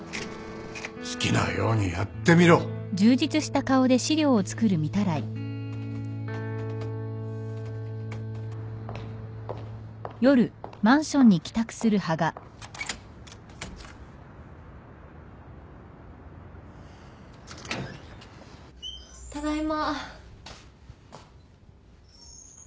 好きなようにやってみろただいま。